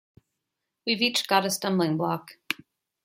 We’ve each got a stumbling block.